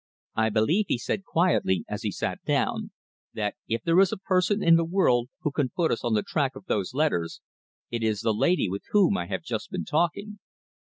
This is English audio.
"I believe," he said quietly, as he sat down, "that if there is a person in the world who can put us on the track of those letters, it is the lady with whom I have just been talking."